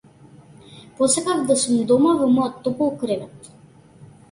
Посакав да сум дома во мојот топол кревет.